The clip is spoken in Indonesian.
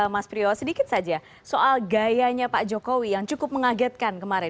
mas priwo sedikit saja soal gayanya pak jokowi yang cukup mengagetkan kemarin